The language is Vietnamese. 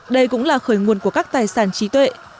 đây cũng là khởi nguồn của các tài sản trí tuệ